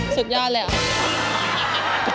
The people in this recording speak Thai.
สุดยอดเลยอะ